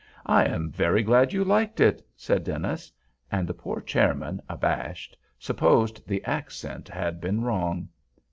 "I am very glad you liked it," said Dennis; and the poor chairman, abashed, supposed the accent had been wrong.